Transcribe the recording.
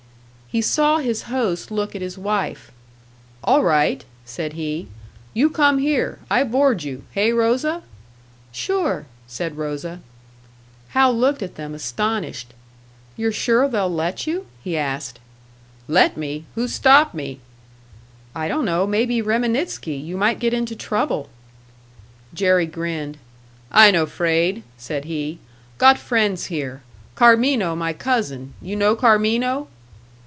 He saw his host look at his wife. "All right," said he. "You come here. I board you. Hey, Rosa?" "Sure," said Rosa. Hal looked at them, astonished. "You're sure they'll let you?" he asked. "Let me? Who stop me?" "I don't know. Maybe Reminitsky. You might get into trouble." Jerry grinned. "I no fraid," said he. "Got friends here. Carmino my cousin. You know Carmino?"